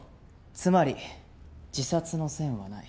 つまり自殺の線はない。